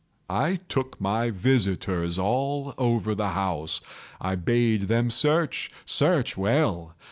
I took my visitors all over the house. I bade them search—search well.